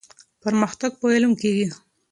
پرمختګ په علم کيږي.